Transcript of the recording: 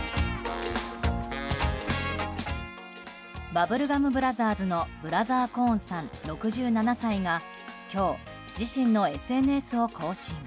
バブルガム・ブラザーズのブラザー・コーンさん、６７歳が今日、自身のＳＮＳを更新。